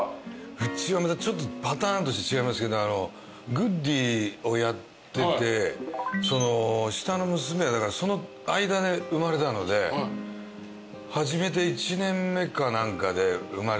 うちはちょっとパターンとして違いますけど『グッディ！』をやってて下の娘はその間で産まれたので始めて１年目か何かで産まれて。